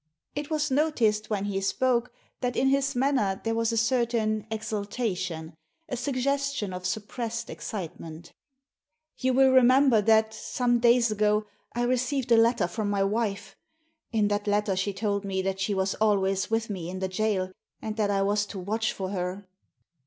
It was noticed when he spoke that in his manner there was a certain exultation — a suggestion of suppressed excitement Digitized by VjOOQIC THE PHOTOGRAPHS 43 "You will remember that, some days ago, I received a letter from my wife. In that letter she told me that she was always with me in the jail, and that I was to watch for her."